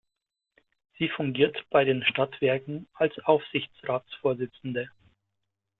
Sie fungiert bei den Stadtwerken als Aufsichtsratsvorsitzende.